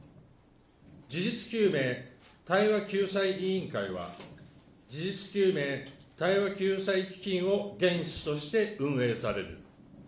事実究明・対話救済委員会は、事実究明・対話救済委員会を原資として運営される。